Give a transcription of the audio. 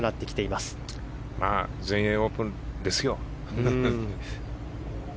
まあ全英オープンですよ。